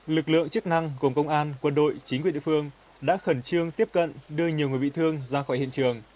lực lượng chức năng gồm công an quân đội chính quyền địa phương đã khẩn trương tiếp cận đưa nhiều người bị thương ra khỏi hiện trường